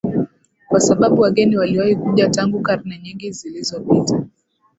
kwa sababu wageni waliwahi kuja tangu karne nyingi zilizopita